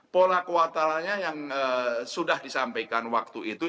pola kuartalannya yang sudah disampaikan waktu itu